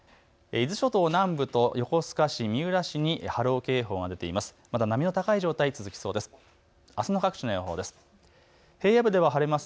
伊豆諸島南部と横須賀市、三浦市に波浪警報が出ています。